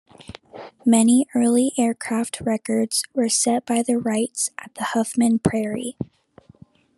Many early aircraft records were set by the Wrights at the Huffman Prairie.